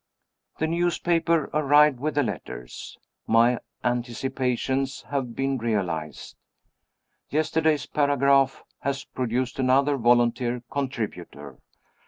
The newspaper arrived with the letters. My anticipations have been realized. Yesterday's paragraph has produced another volunteer contributor.